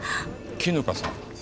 絹香さん？